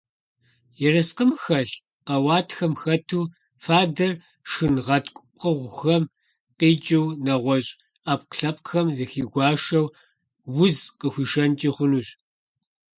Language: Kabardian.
Ерыскъым хэлъ къэуатхэм хэту фадэр шхынгъэткӀу пкъыгъухэм къикӀыу, нэгъуэщӀ Ӏэпкълъэпкъхэм зыхигуашэу, уз къахуишэнкӀи хъунущ.